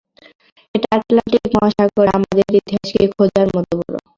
এটা আটলান্টিক মহাসাগরে আমাদের ইতিহাসকে খোঁজার মতো বড়!